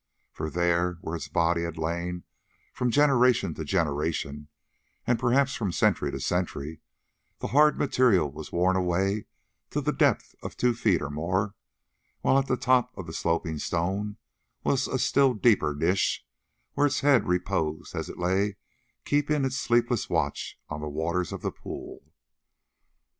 For there, where its body had lain from generation to generation, and perhaps from century to century, the hard material was worn away to the depth of two feet or more, while at the top of the sloping stone was a still deeper niche, wherein its head reposed as it lay keeping its sleepless watch on the waters of the pool.